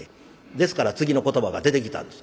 ですから次の言葉が出てきたんです。